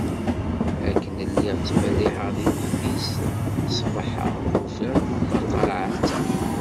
Akken lliɣ ttmerriḥeɣ deg teftist ṣṣbeḥ-a, ufiɣ taqerεet-a.